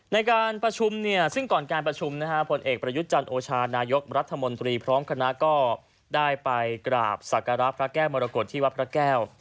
ในการประชุมเนี่ยซึ่งก่อนการประชุมนะฮะผลเอกประยุทธ์จันทร์โอชานายกรัฐมนตรีพร้อมคณะก็ได้ไปกราบศักระพระแก้วมรกฏที่วัดพระแก้ว